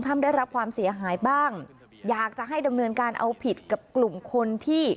ได้รับความเสียหายบ้างอยากจะให้ดำเนินการเอาผิดกับกลุ่มคนที่